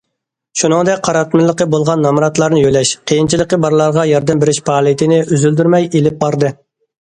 شۇنىڭدەك قاراتمىلىقى بولغان نامراتلارنى يۆلەش، قىيىنچىلىقى بارلارغا ياردەم بېرىش پائالىيىتىنى ئۈزۈلدۈرمەي ئېلىپ باردى.